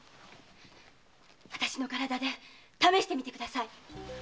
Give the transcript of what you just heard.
私の体で試してみてください！